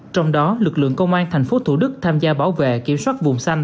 trong đó lực lượng công an thành phố thủ đức tham gia bảo vệ kiểm soát vùng xanh